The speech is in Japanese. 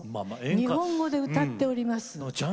日本語で歌っております。